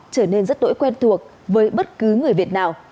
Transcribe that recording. trở nên rất đổi quen thuộc với bất cứ người việt nào